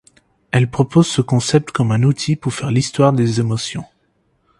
Elle propose ce concept comme un outil pour faire l'histoire des émotions.